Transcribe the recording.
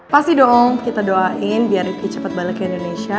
pasti dong kita doain biar ricky cepat balik ke indonesia